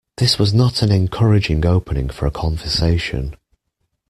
This was not an encouraging opening for a conversation.